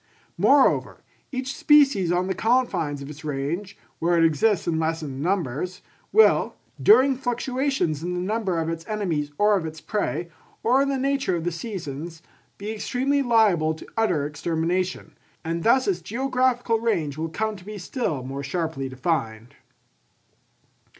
Moreover, each species on the confines of its range, where it exists in lessened numbers, will, during fluctuations in the number of its enemies or of its prey, or in the nature of the seasons, be extremely liable to utter extermination; and thus its geographical range will come to be still more sharply defined.